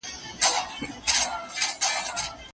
ساعت بازار ته وړل کېږي.